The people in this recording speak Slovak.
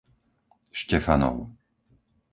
Štefanov